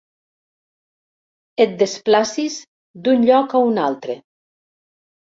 Et desplacis d'un lloc a un altre.